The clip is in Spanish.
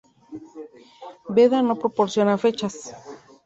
Beda no proporciona fechas.